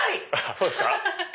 そうですか？